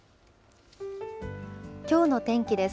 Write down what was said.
きょうの天気です。